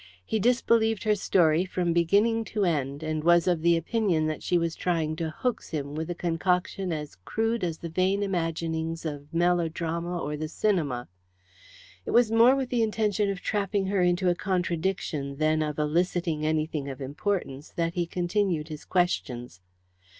He disbelieved her story from beginning to end, and was of the opinion that she was trying to hoax him with a concoction as crude as the vain imaginings of melodrama or the cinema. It was more with the intention of trapping her into a contradiction than of eliciting anything of importance that he continued his questions.